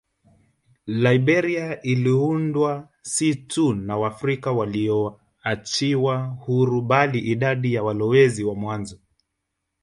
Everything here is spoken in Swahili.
Liberia iliundwa si tu na Waafrika walioachiwa huru bali idadi ya walowezi wa mwanzo